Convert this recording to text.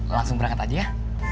langsung berangkat aja ya